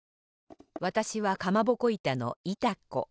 わたしはかまぼこいたのいた子。